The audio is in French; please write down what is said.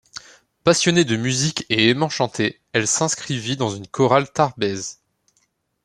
Passionnée de musique et aimant chanter elle s'inscrivit dans une chorale tarbaise.